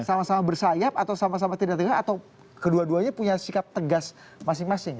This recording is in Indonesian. sama sama bersayap atau sama sama tidak tegak atau kedua duanya punya sikap tegas masing masing